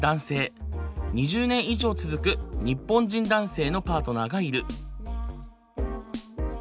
２０年以上続く日本人男性のパートナーがいる。